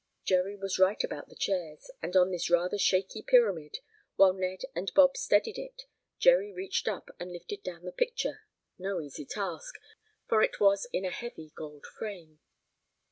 Jerry was right about the chairs, and on this rather shaky pyramid, while Ned and Bob steadied it, Jerry reached up and lifted down the picture, no easy task, for it was in a heavy gold frame.